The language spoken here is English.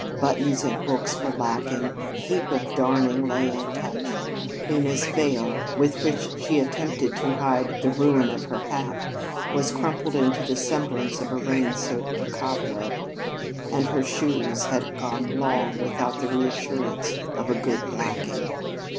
Buttons and hooks were lacking; a heap of darning lay untouched; Lena's veil, with which she attempted to hide the ruin of her hat, was crumpled into the semblance of a rain soaked cobweb; and her shoes had gone long without the reassurance of a good blacking.